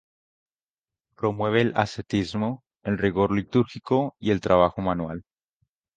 Promueve el ascetismo, el rigor litúrgico y el trabajo manual.